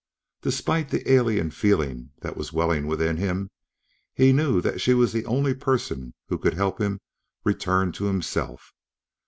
Despite the alien feeling that was welling within him, he knew that she was the only person who could help him return to himself.